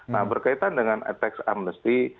nah berkaitan dengan tax amnesty